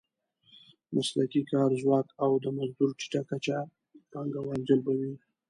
مسلکي کاري ځواک او د مزدور ټیټه کچه پانګوال جلبوي.